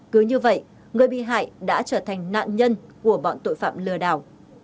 cứ như vậy người bị hại đã trở thành nạn nhân của bọn tội phạm lừa đảo